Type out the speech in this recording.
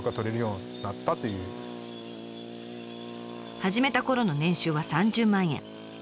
始めたころの年収は３０万円。